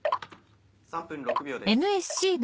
３分６秒です。